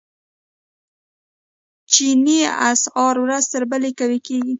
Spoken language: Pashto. چیني اسعار ورځ تر بلې قوي کیږي.